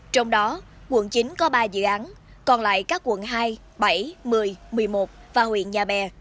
trong đó quận chín có ba dự án còn lại các quận hai bảy một mươi một mươi một và huyện nhà bè